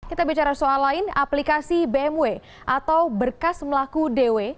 kita bicara soal lain aplikasi bmw atau berkas melaku dw